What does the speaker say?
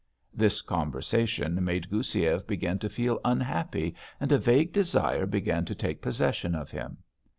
This conversation made Goussiev begin to feel unhappy and a vague desire began to take possession of him.